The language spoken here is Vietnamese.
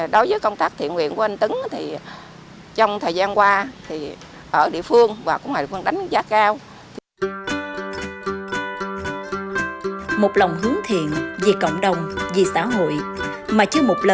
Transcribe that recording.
đối với công tác thiện nguyện của anh tứng trong thời gian qua ở địa phương và cũng là đánh giá cao